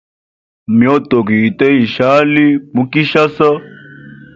Myotoka ite ishali mu Kinshasa.